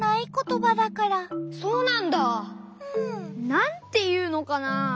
なんていうのかな。